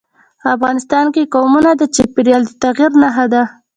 افغانستان کې قومونه د چاپېریال د تغیر نښه ده.